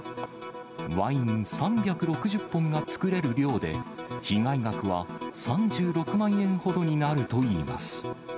ワイン３６０本が造れる量で、被害額は３６万円ほどになるといいます。